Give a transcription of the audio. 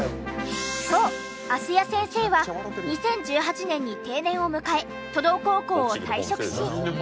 そう芦谷先生は２０１８年に定年を迎え莵道高校を退職し。